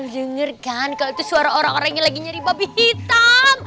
dengar kan kalau itu suara orang orang yang lagi nyari babi hitam